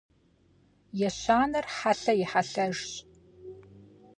Ещанэр хьэлъэ и хьэлъэжщ.